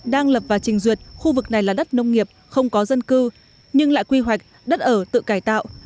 đang lập và trình duyệt khu vực này là đất nông nghiệp không có dân cư nhưng lại quy hoạch đất ở tự cải tạo